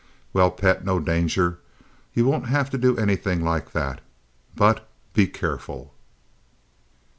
"Well, pet, no danger. You won't have to do anything like that. But be careful."